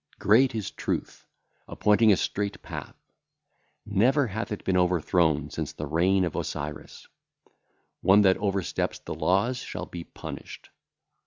Great is Truth, appointing a straight path; never hath it been overthrown since the reign of Osiris. One that oversteppeth the laws shall be punished.